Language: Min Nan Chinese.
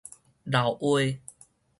留話